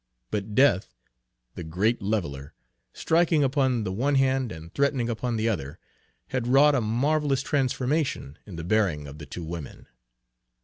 But Death, the great leveler, striking upon the one hand and threatening upon the other, had wrought a marvelous transformation in the bearing of the two women.